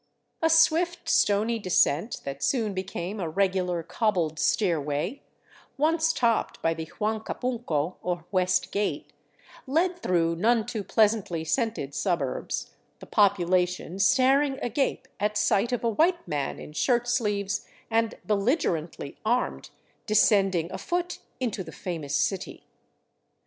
A swift, stony descent that soon became a regular cobbled stair way, once topped by the Huancapuncu, or West Gate, led through none too pleasantly scented suburbs, the population staring agape at sight of a white man in shirt sleeves and belligerently armed de scending afoot into the famous city.